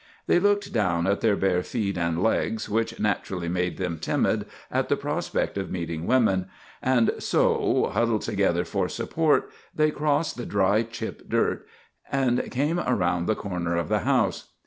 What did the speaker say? They looked down at their bare feet and legs, which naturally made them timid at the prospect of meeting women; and so, huddled together for support, they crossed the dry chip dirt, and came around the corner of the house.